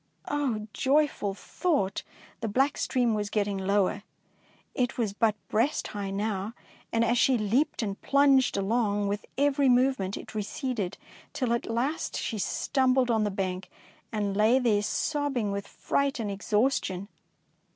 Oh, joyful thought ! The black stream was getting lower, it was but breast high now, and as she leaped and plunged along, with every move ment it receded, till at last she stum bled on the bank, and lay there sob bing with fright and exhaustion.